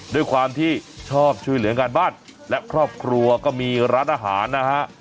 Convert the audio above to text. ด้วยความที่ชอบช่วยเหลืองานบ้านและครอบครัวก็มีร้านอาหารนะฮะ